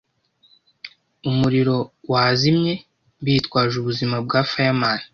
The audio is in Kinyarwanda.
Umuriro wazimye bitwaje ubuzima bwa fireman.